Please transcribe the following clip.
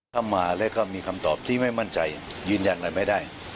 ผมมีคำตอบที่ไม่มั่นใจยืนยันอะไรไม่ได้